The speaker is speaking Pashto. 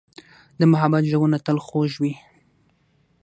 د محبت ږغونه تل خوږ وي.